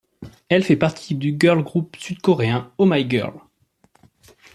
Elle fait partie du girl group sud-coréen Oh My Girl.